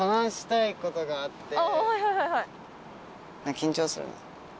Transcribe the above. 緊張するな。